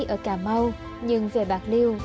ở cà mau nhưng về bạc liêu